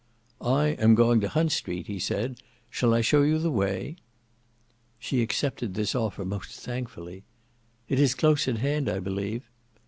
"I am going to Hunt Street," he said, "shall I show you the way?" She accepted this offer most thankfully. "It is close at hand, I believe?"